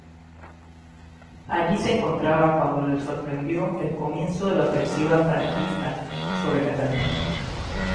Allí se encontraba cuando le sorprendió el comienzo de la ofensiva franquista sobre Cataluña.